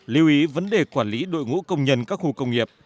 lưu ý vấn đề quản lý đội ngũ công nhân các khu công nghiệp